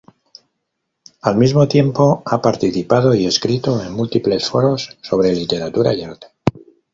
Al mismo tiempo ha participado y escrito en múltiples foros sobre literatura y arte.